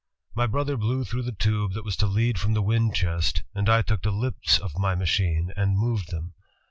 My brother blew through the tube that was to lead from the wind chest, and I took the lips of my machine and moved them.